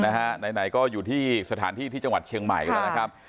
ไหนก็อยู่ที่สถานที่ที่จังหวัดเชียงใหม่กันแล้วนะครับ